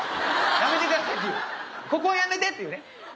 やめて下さいっていうここはやめて！っていうね。